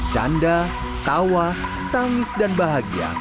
canda kawah tangis dan bahagia